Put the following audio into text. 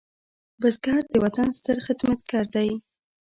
بزګر د وطن ستر خدمتګار دی